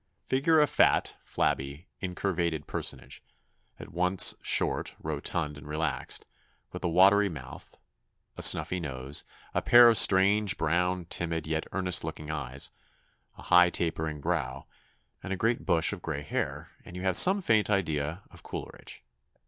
Figure a fat, flabby, incurvated personage, at once short, rotund, and relaxed, with a watery mouth, a snuffy nose, a pair of strange brown, timid, yet earnest looking eyes, a high tapering brow, and a great bush of gray hair, and you have some faint idea of Coleridge.